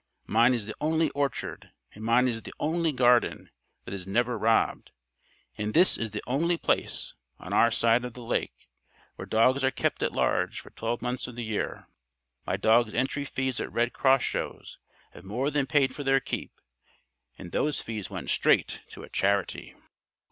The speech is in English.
Mine is the only orchard and mine is the only garden that is never robbed. And this is the only place, on our side of the lake, where dogs are kept at large for twelve months of the year. My dogs' entry fees at Red Cross shows have more than paid for their keep, and those fees went straight to charity."